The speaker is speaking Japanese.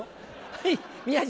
はい。